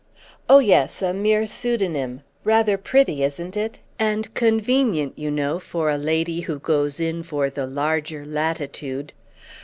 "Oh yes, a mere pseudonym—rather pretty, isn't it?—and convenient, you know, for a lady who goes in for the larger latitude.